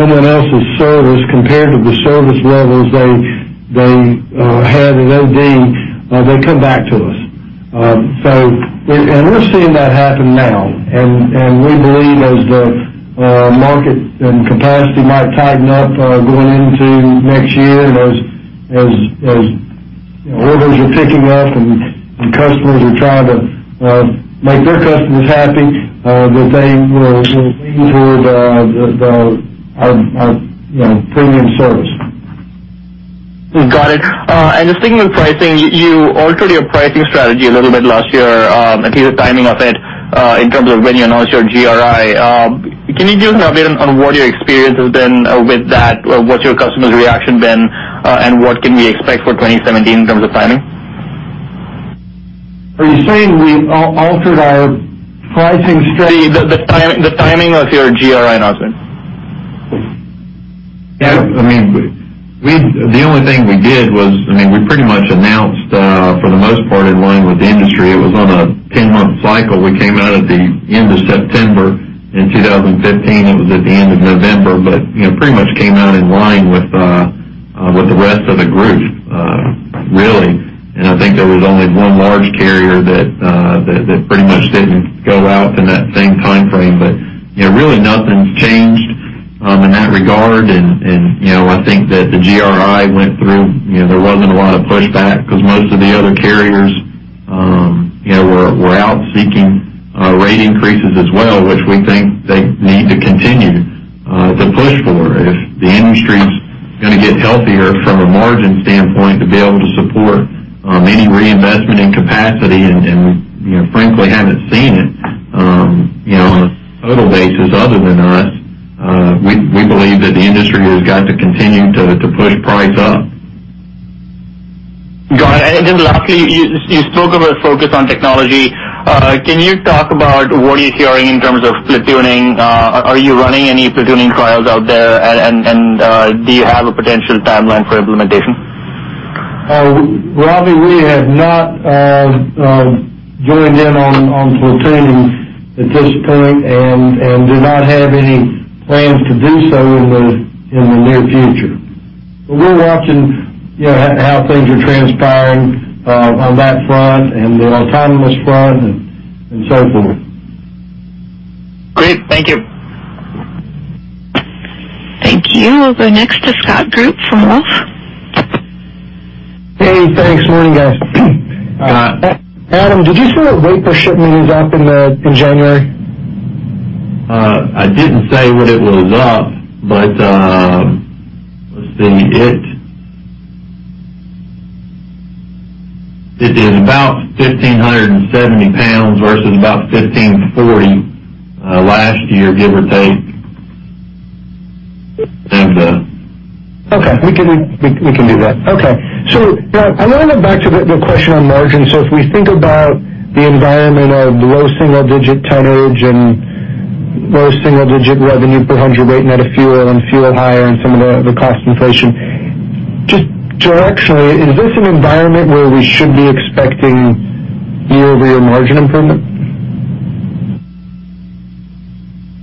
someone else's service compared to the service levels they had with OD, they come back to us. We're seeing that happen now. We believe as the market and capacity might tighten up going into next year and as orders are picking up and customers are trying to make their customers happy, that they will see our, you know, premium service. Got it. Just thinking of pricing, you altered your pricing strategy a little bit last year, at least the timing of it, in terms of when you announced your GRI. Can you give us an update on what your experience has been with that? What's your customers' reaction been? What can we expect for 2017 in terms of timing? Are you saying we altered our pricing strategy? The timing of your GRI announcement. Yeah. I mean, the only thing we did was, I mean, we pretty much announced for the most part in line with the industry. It was on a 10-month cycle. We came out at the end of September. In 2015, it was at the end of November. You know, pretty much came out in line with the rest of the group, really. I think there was only one large carrier that pretty much didn't go out in that same timeframe. You know, really nothing's changed in that regard. You know, I think that the GRI went through, you know, there wasn't a lot of pushback because most of the other carriers, you know, were out seeking rate increases as well, which we think they need to continue to push for if the industry's gonna get healthier from a margin standpoint to be able to support any reinvestment in capacity. We, you know, frankly, haven't seen it, you know, on a total basis other than us. We believe that the industry has got to continue to push price up. Got it. Lastly, you spoke about focus on technology. Can you talk about what are you hearing in terms of platooning? Are you running any platooning trials out there? Do you have a potential timeline for implementation? Ravi Shanker, we have not joined in on platooning at this point and do not have any plans to do so in the near future. We're watching, you know, how things are transpiring on that front and the autonomous front and so forth. Great. Thank you. Thank you. We'll go next to Scott Group from Wolfe. Hey, thanks. Morning, guys. Adam, did you say that weight per shipment was up in January? I didn't say what it was up, but, let's see. It is about 1,570 pounds versus about 1,540 last year, give or take. We can do that. I want to go back to the question on margins. If we think about the environment of low single-digit tonnage and low single-digit revenue per hundredweight net of fuel and fuel higher and some of the cost inflation. Just directionally, is this an environment where we should be expecting year-over-year margin improvement?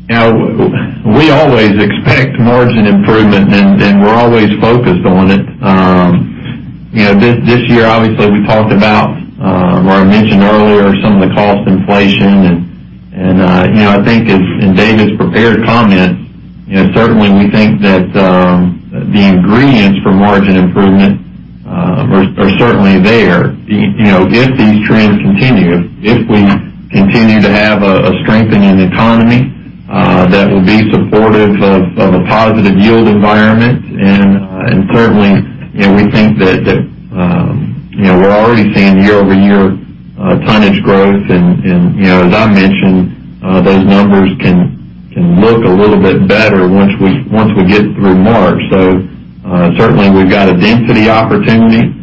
You know, we always expect margin improvement, and we're always focused on it. You know, this year, obviously, we talked about, or I mentioned earlier some of the cost inflation and, you know, I think as in David's prepared comments, you know, certainly we think that the ingredients for margin improvement are certainly there. You know, if these trends continue, if we continue to have a strengthening economy, that will be supportive of a positive yield environment. Certainly, you know, we think that, you know, we're already seeing year-over-year tonnage growth. You know, as I mentioned, those numbers can look a little bit better once we get through March. Certainly we've got a density opportunity.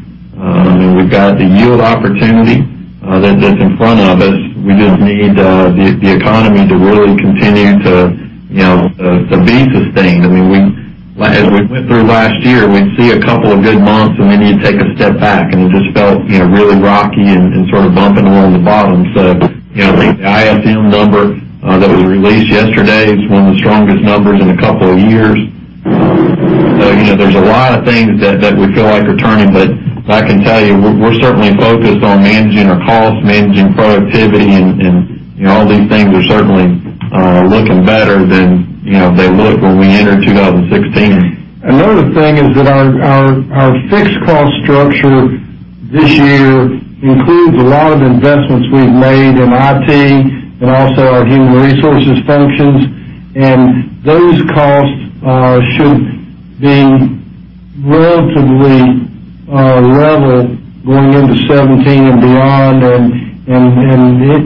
We've got the yield opportunity that's in front of us. We just need the economy to really continue to, you know, to be sustained. I mean, as we went through last year, we'd see a couple of good months, and then you'd take a step back, and it just felt, you know, really rocky and sort of bumping along the bottom. You know, I think the ISM number that was released yesterday is one of the strongest numbers in a couple of years. You know, there's a lot of things that we feel like are turning. I can tell you, we're certainly focused on managing our costs, managing productivity. And, you know, all these things are certainly looking better than, you know, they looked when we entered 2016. Another thing is that our fixed cost structure this year includes a lot of investments we've made in IT and also our human resources functions, and those costs should be relatively level going into 2017 and beyond.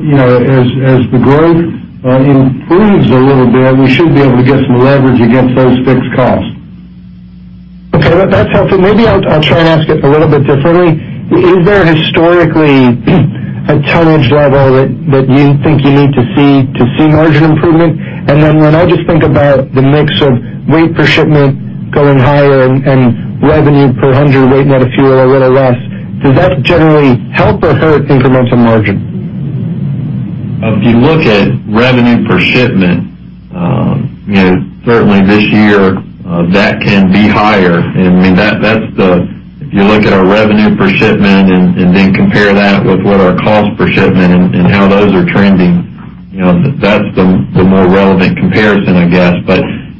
You know, as the growth improves a little bit, we should be able to get some leverage against those fixed costs. Okay. That's helpful. Maybe I'll try and ask it a little bit differently. Is there historically a tonnage level that you think you need to see to see margin improvement? When I just think about the mix of weight per shipment going higher and revenue per hundredweight net of fuel a little less, does that generally help or hurt incremental margin? If you look at revenue per shipment, you know, certainly this year, that can be higher. I mean, if you look at our revenue per shipment and then compare that with what our cost per shipment and how those are trending, you know, that's the more relevant comparison, I guess.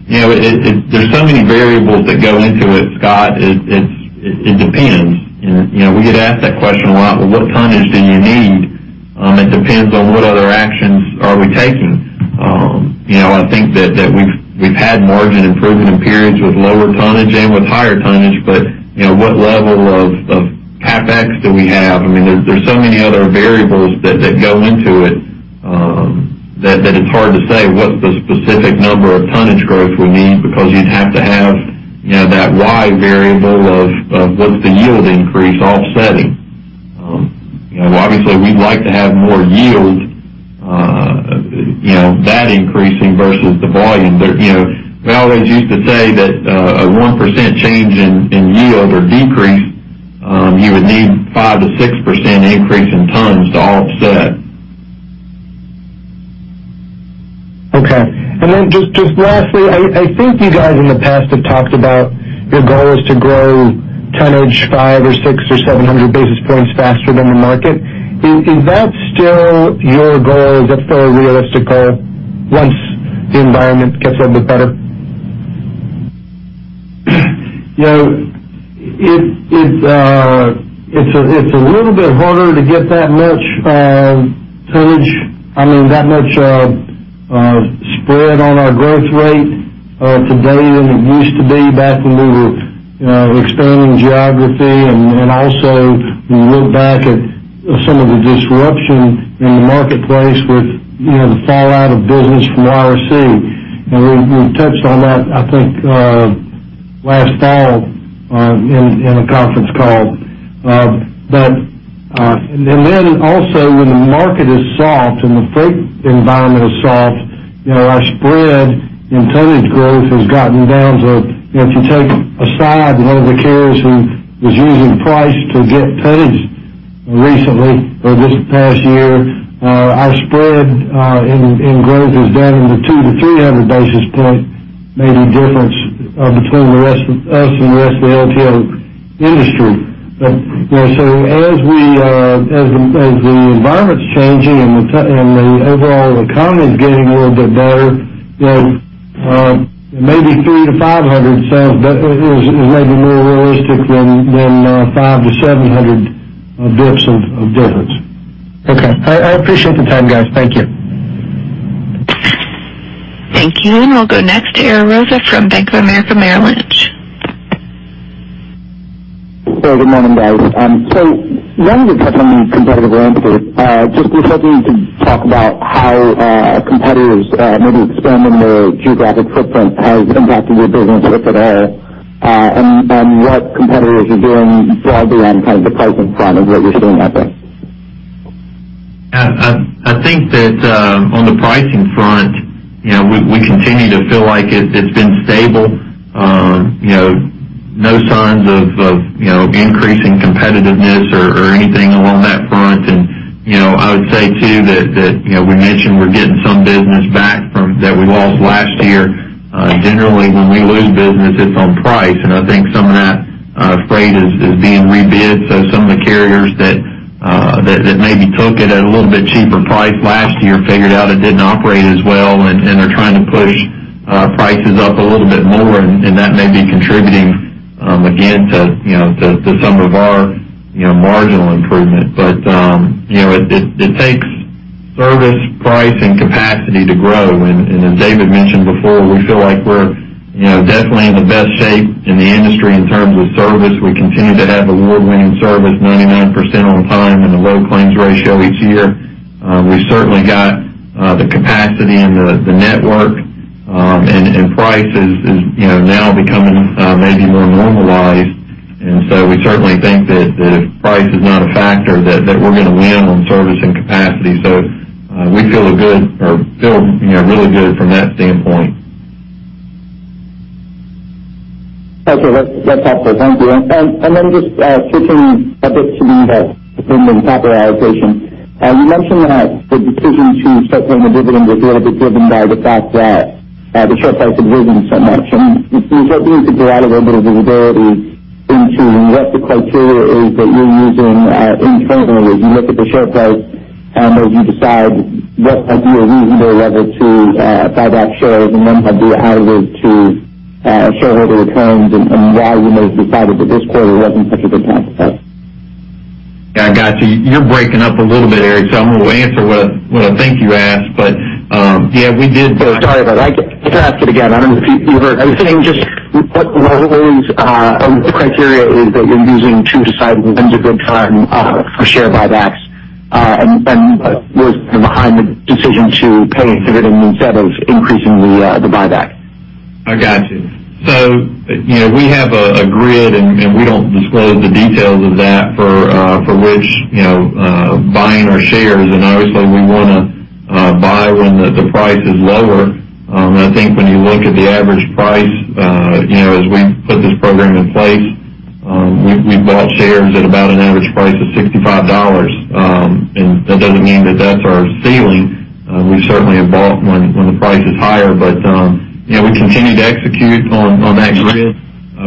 You know, there's so many variables that go into it, Scott. It depends. You know, we get asked that question a lot. Well, what tonnage do you need? It depends on what other actions are we taking. You know, I think that we've had margin improvement in periods with lower tonnage and with higher tonnage. You know, what level of CapEx do we have? I mean, there's so many other variables that go into it, that it's hard to say what the specific number of tonnage growth we need because you'd have to have, you know, that Y variable of what is the yield increase offsetting. You know, obviously, we'd like to have more yield, you know, that increasing versus the volume. You know, we always used to say that a 1% change in yield or decrease, you would need 5%-6% increase in tons to offset. Okay. Just lastly, I think you guys in the past have talked about your goal is to grow tonnage five or six or 700 basis points faster than the market. Is that still your goal? Is that still a realistic goal once the environment gets a bit better? You know, it's a little bit harder to get that much tonnage, I mean, that much spread on our growth rate today than it used to be back when we were expanding geography. Also when you look back at some of the disruption in the marketplace with, you know, the fallout of business from YRC. We touched on that, I think, last fall in a conference call. Also when the market is soft and the freight environment is soft, you know, our spread in tonnage growth has gotten down to, you know, if you take aside one of the carriers who was using price to get tonnage recently or this past year, our spread in growth is down in the 200-300 basis point maybe difference between the rest of us and the rest of the LTL industry. You know, as we, as the, as the environment's changing and the overall economy is getting a little bit better, you know, maybe 300-500 sounds is maybe more realistic than, 500 basis points-700 basis points of difference. Okay. I appreciate the time, guys. Thank you. Thank you. We'll go next to Ariel Rosa from Bank of America Merrill Lynch. Good morning, guys. Wanting to touch on the competitive landscape, just if you could talk about how competitors maybe expanding their geographic footprint has impacted your business, if at all? What competitors are doing broadly on kind of the pricing front and what you're seeing out there. I think that, on the pricing front, you know, we continue to feel like it's been stable. You know, no signs of, you know, increasing competitiveness or anything along that front. You know, I would say too that, you know, we mentioned we're getting some business back from that we lost last year. Generally, when we lose business, it's on price, and I think some of that freight is being rebid. Some of the carriers that maybe took it at a little bit cheaper price last year figured out it didn't operate as well, and they're trying to push prices up a little bit more. That may be contributing, again to, you know, to some of our, you know, marginal improvement. You know, it takes service, price, and capacity to grow. As David mentioned before, we feel like we're, you know, definitely in the best shape in the industry in terms of service. We continue to have award-winning service, 99% on time and a low claims ratio each year. We've certainly got the capacity and the network, and price is, you know, now becoming maybe more normalized. We certainly think that if price is not a factor that we're gonna win on service and capacity. We feel, you know, really good from that standpoint. Okay. That's helpful. Thank you. Just switching topics to the dividend capital allocation. You mentioned that the decision to start paying the dividend was a little bit driven by the fact that the share price had risen so much. I mean, if you could provide a little bit of visibility into what the criteria is that you're using internally as you look at the share price. You decide what would be a reasonable level to buy back shares, how do you allocate to shareholder returns and why you may have decided that this quarter wasn't such a good time for that? Yeah, I got you. You're breaking up a little bit, Ariel, so I'm gonna answer what I think you asked. Yeah, we did. Sorry about that. I can ask it again. I don't know if you heard. Are you saying just what level is or what the criteria is that you're using to decide when's a good time for share buybacks and what was behind the decision to pay a dividend instead of increasing the buyback? I got you. You know, we have a grid, and we don't disclose the details of that for which, you know, buying our shares, and obviously, we wanna buy when the price is lower. I think when you look at the average price, you know, as we put this program in place, we bought shares at about an average price of $65. That doesn't mean that that's our ceiling. We certainly have bought when the price is higher. You know, we continue to execute on that grid.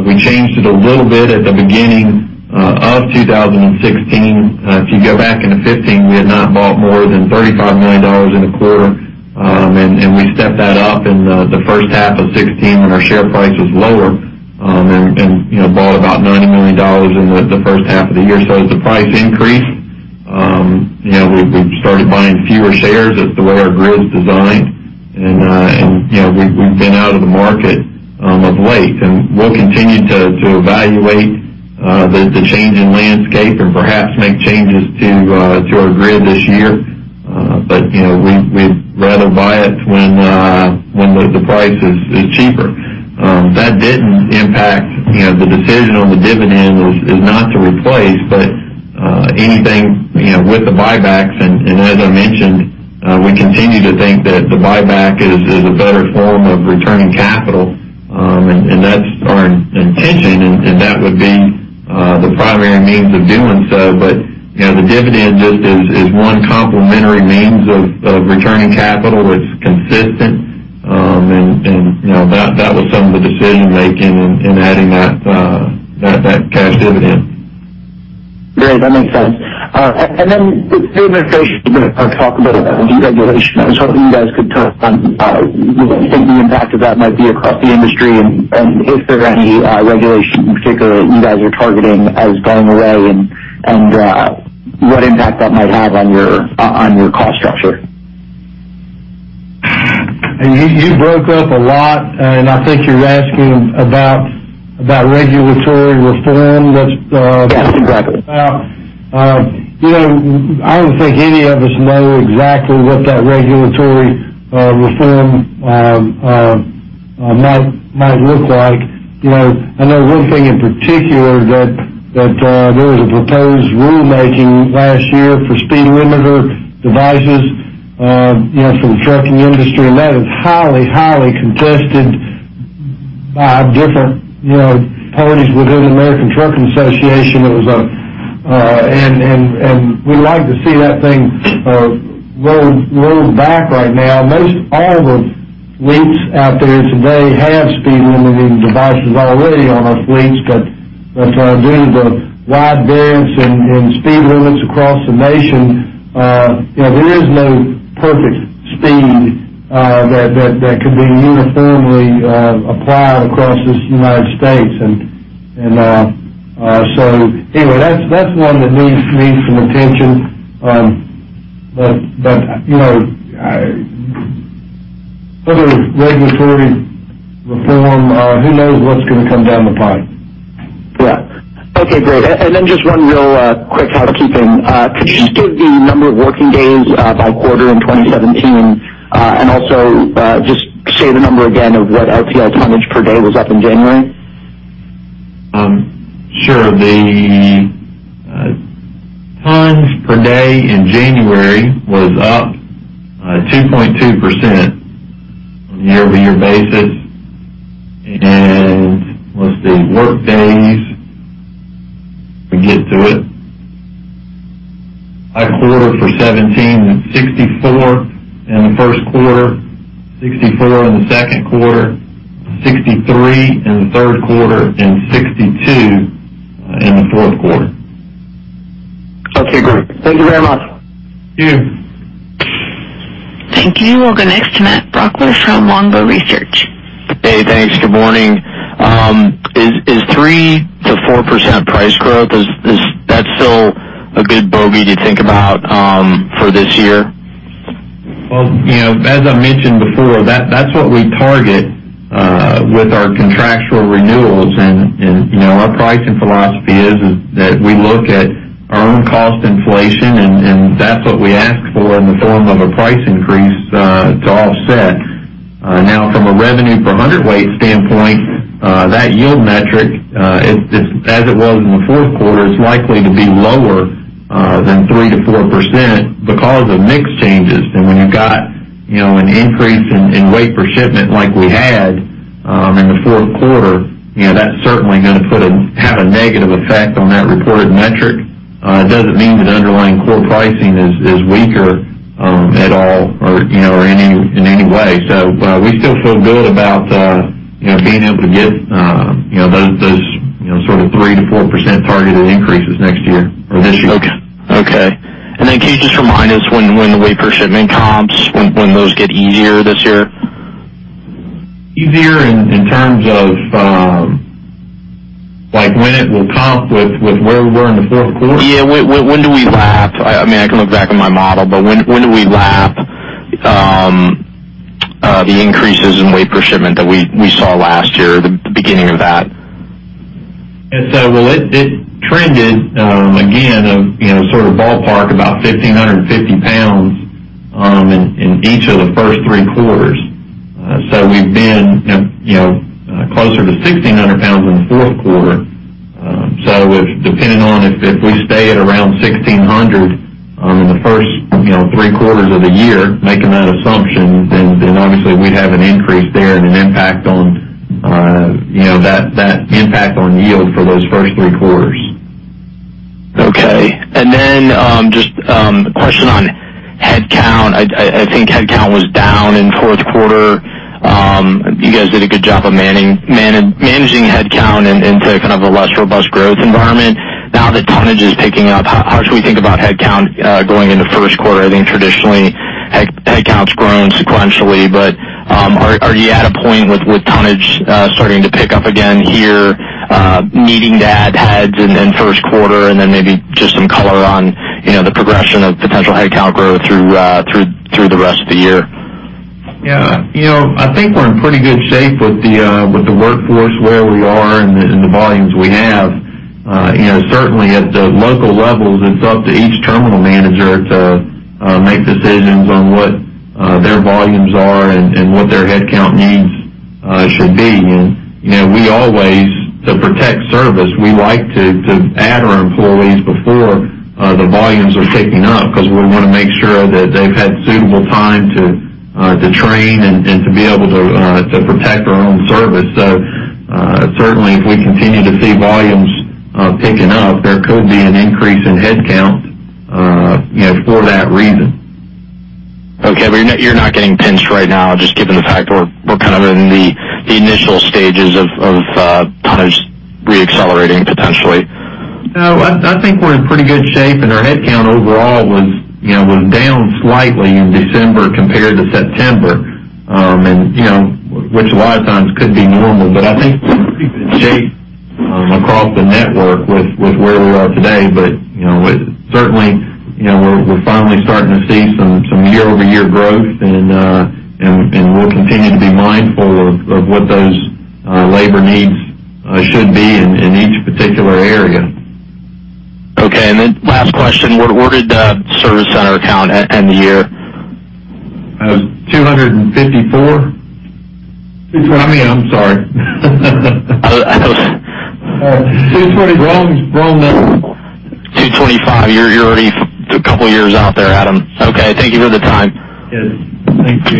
We changed it a little bit at the beginning of 2016. If you go back into 2015, we had not bought more than $35 million in a quarter. We stepped that up in the first half of 2016 when our share price was lower, you know, bought about $90 million in the first half of the year. As the price increased, you know, we started buying fewer shares. That's the way our grid is designed. You know, we've been out of the market of late. We'll continue to evaluate the changing landscape and perhaps make changes to our grid this year. You know, we'd rather buy it when the price is cheaper. That didn't impact You know, the decision on the dividend is not to replace, but anything, you know, with the buybacks, and as I mentioned, we continue to think that the buyback is a better form of returning capital. That's our intention, and that would be the primary means of doing so. You know, the dividend just is one complementary means of returning capital. It's consistent. You know, that was some of the decision-making in adding that cash dividend. Great. That makes sense. With the administration, you know, talk about deregulation, I was hoping you guys could touch on, you know, think the impact of that might be across the industry and if there are any regulation in particular you guys are targeting as going away and what impact that might have on your, on your cost structure. You broke up a lot, and I think you're asking about regulatory reform. Yes, exactly. You know, I don't think any of us know exactly what that regulatory reform might look like. You know, I know one thing in particular that there was a proposed rulemaking last year for speed limiter devices, you know, for the trucking industry, and that is highly contested by different, you know, parties within the American Trucking Associations. It was, and we'd like to see that thing rolled back right now. Most all the fleets out there today have speed limiting devices already on our fleets. Due to the wide variance in speed limits across the nation, you know, there is no perfect speed that could be uniformly applied across this United States. So anyway, that's one that needs some attention. You know, other regulatory reform, who knows what's gonna come down the pipe. Yeah. Okay, great. Just one real quick housekeeping. Could you just give the number of working days by quarter in 2017? Also, just say the number again of what LTL tonnage per day was up in January? Sure. The tonnage per day in January was up 2.2% on a year-over-year basis. Let's see, workdays, if we get to it. By quarter for 2017, 64 in the first quarter, 64 in the second quarter, 63 in the third quarter, and 62 in the fourth quarter. Okay, great. Thank you very much. Thank you. Thank you. We'll go next to Matt Brooklier from Longbow Research. Hey, thanks. Good morning. Is 3%-4% price growth, is That still a good bogey to think about for this year? Well, you know, as I mentioned before, that's what we target with our contractual renewals. You know, our pricing philosophy is that we look at our own cost inflation, and that's what we ask for in the form of a price increase to offset. Now from a revenue per hundredweight standpoint, that yield metric, as it was in the fourth quarter, is likely to be lower than 3% to 4% because of mix changes. When you've got, you know, an increase in weight per shipment like we had in the fourth quarter, you know, that's certainly gonna have a negative effect on that reported metric. It doesn't mean that underlying core pricing is weaker at all or, you know, in any way. We still feel good about, you know, being able to get, you know, those, you know, sort of 3%-4% targeted increases next year or this year. Okay. Okay. Can you just remind us when the weight per shipment comps, when those get easier this year? Easier in terms of, like when it will comp with where we were in the fourth quarter? Yeah. When do we lap? I mean, I can look back at my model, but when do we lap the increases in weight per shipment that we saw last year, the beginning of that? Well, it trended, again, you know, sort of ballpark about 1,550 pounds in each of the first three quarters. We've been, you know, closer to 1,600 pounds in the fourth quarter. If, depending on if we stay at around 1,600 in the first, you know, three quarters of the year, making that assumption, then obviously we'd have an increase there and an impact on, you know, that impact on yield for those first three quarters. Then, just a question on headcount. I think headcount was down in fourth quarter. You guys did a good job of managing headcount in into kind of a less robust growth environment. Now that tonnage is picking up, how should we think about headcount going into first quarter? I think traditionally headcount's grown sequentially, but are you at a point with tonnage starting to pick up again here needing to add heads in first quarter? Then maybe just some color on, you know, the progression of potential headcount growth through the rest of the year. Yeah. You know, I think we're in pretty good shape with the with the workforce where we are and the and the volumes we have. You know, certainly at the local levels, it's up to each terminal manager to make decisions on what their volumes are and and what their headcount needs should be. You know, we always, to protect service, we like to to add our employees before the volumes are picking up because we want to make sure that they've had suitable time to to train and and to be able to to protect our own service. Certainly if we continue to see volumes picking up, there could be an increase in headcount, you know, for that reason. Okay. You're not getting pinched right now, just given the fact we're kind of in the initial stages of tonnage re-accelerating potentially. No. I think we're in pretty good shape, and our headcount overall was, you know, was down slightly in December compared to September. You know, which a lot of times could be normal. I think we're in good shape across the network with where we are today. You know, it certainly, you know, we're finally starting to see some year-over-year growth and we'll continue to be mindful of what those labor needs should be in each particular area. Okay. Last question. Where did the service center count end the year? It was 254. 220. I mean, I'm sorry. I thought. 220. Wrong number. 2025. You're already a couple of years out there, Adam. Okay. Thank you for the time. Yes. Thank you.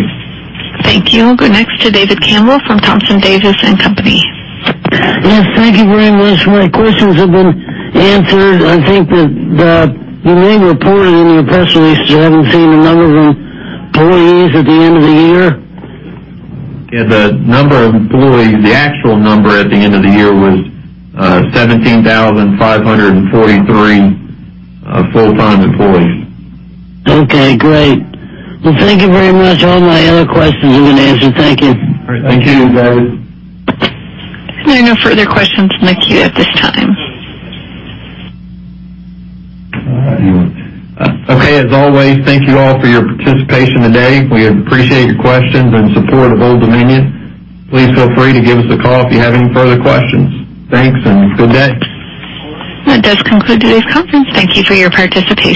Thank you. We'll go next to David Campbell from Thompson, Davis & Company. Yes, thank you very much. My questions have been answered. I think that you may have reported in your press release, because I haven't seen the number of employees at the end of the year. Yeah, the number of employees, the actual number at the end of the year was 17,543 full-time employees. Okay, great. Well, thank you very much. All my other questions have been answered. Thank you. All right. Thank you, David. There are no further questions in the queue at this time. All right. Okay. As always, thank you all for your participation today. We appreciate your questions and support of Old Dominion. Please feel free to give us a call if you have any further questions. Thanks, and good day. That does conclude today's conference. Thank you for your participation.